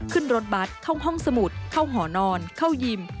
ขึ้นรถบัตรเข้าห้องสมุดเข้าหอนอนเข้ายิม